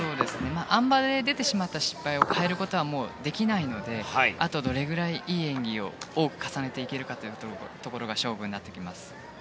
あん馬で出てしまった失敗を変えることはもうできないのであとどれぐらい、いい演技を多く重ねられるかが勝負になってきます。